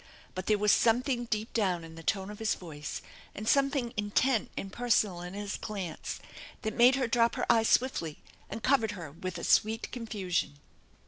But there was something deep down in the tone of his voice, and something intent and personal in his glance that made her drop her eyes swiftly and covered her with a sweet confusion.